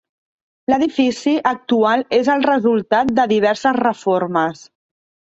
L'edifici actual és el resultat de diverses reformes.